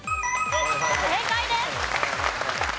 正解です。